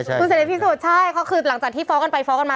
คุณเสรีพิสุทธิ์ใช่เขาคือหลังจากที่ฟ้องกันไปฟ้องกันมา